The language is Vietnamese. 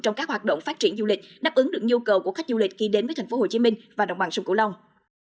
trong các hoạt động phát triển du lịch đáp ứng được nhu cầu của khách du lịch khi đến với thành phố hồ chí minh và đồng bằng sông cổ long